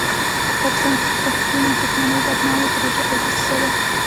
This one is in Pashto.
پاکستان د پښتون دښمنۍ بدنامه پروژه او دسیسه ده.